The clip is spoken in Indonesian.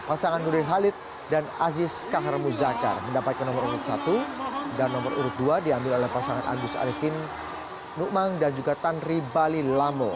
pasangan nurdin halid dan aziz kahar muzakar mendapatkan nomor urut satu dan nomor urut dua diambil oleh pasangan agus arifin nukmang dan juga tanri bali lamo